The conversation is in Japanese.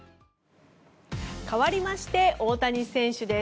かわりまして大谷選手です。